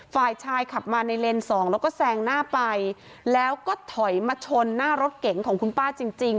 ฝ่ายชายขับมาในเลนส์สองแล้วก็แซงหน้าไปแล้วก็ถอยมาชนหน้ารถเก๋งของคุณป้าจริงจริง